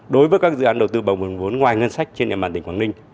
đối với các dự án đầu tư bằng nguồn vốn ngoài ngân sách trên địa bàn tỉnh quảng ninh